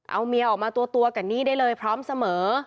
เอาเมียออกมาตัวกับนี่ได้เลยพร้อมเสมอ